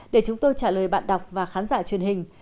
để chúng tôi trả lời bạn đọc và khán giả truyền hình